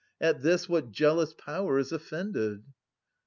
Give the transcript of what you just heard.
At this what jealous Power is offended